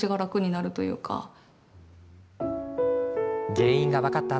原因が分かった